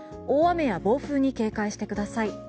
大雨や暴風に警戒してください。